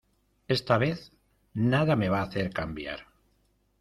esta vez nada me va a hacer cambiar.